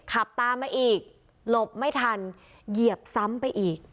ขับตามมาอีกหลบไม่ทันเหยียบซ้ำไปอีก